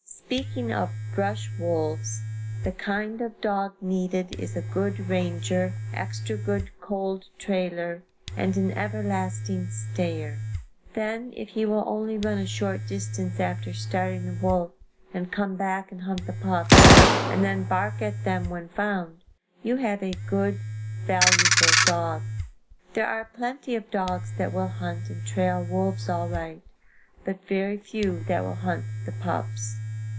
Speaking of brush wolves: The kind of dog needed is a good ranger, extra good cold trailer and an everlasting stayer. Then if he will only run a short distance after starting the wolf and come back and hunt the pups, and then bark at them when found, you have a good, valuable dog. There are plenty of dogs that will hunt and trail wolves all right, but very few that will hunt the pups.